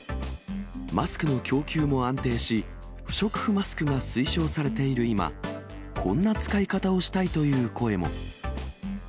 マスクの供給も安定し、不織布マスクが推奨されている今、こんな使い方をしたいという声も。